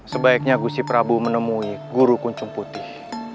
sebaiknya gusi prabu menemui guru kuncung putih